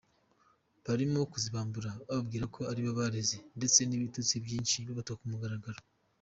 Barimo kuzibambura bababwira ko aribo babareze ndetse n’ibitutsi byinshi babatuka ku mugaragaro.